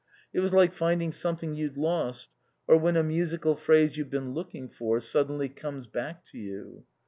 It was like finding something you'd lost, or when a musical phrase you've been looking for suddenly comes back to you.